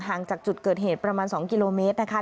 จากจุดเกิดเหตุประมาณ๒กิโลเมตรนะคะ